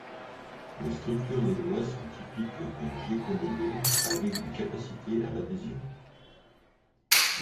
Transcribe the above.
Les structures des doigts sont typiques des Gekkonidae avec des capacités à l'adhésion.